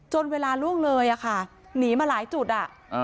เวลาล่วงเลยอะค่ะหนีมาหลายจุดอ่ะ